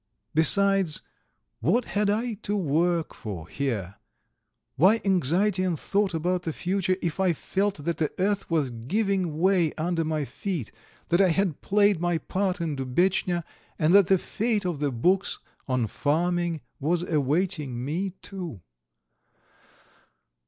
Besides, what had I to work for here, why anxiety and thought about the future, if I felt that the earth was giving way under my feet, that I had played my part in Dubetchnya, and that the fate of the books on farming was awaiting me too?